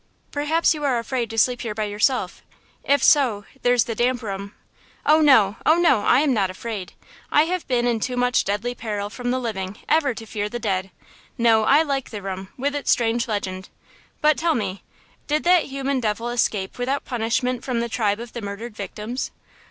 "Perhaps you are afraid to sleep here by yourself? If so, there's the damp room–" "Oh, no! oh, no! I am not afraid. I have been in too much deadly peril from the living ever to fear the dead! No, I like the room, with its strange legend; but tell me, did that human devil escape without punishment from the tribe of the murdered victims?"